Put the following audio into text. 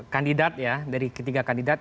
kandidat ya dari ketiga kandidat